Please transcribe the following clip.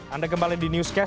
anda kembali di newscast